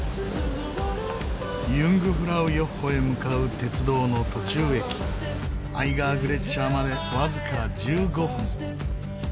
ユングフラウヨッホへ向かう鉄道の途中駅アイガーグレッチャーまでわずか１５分。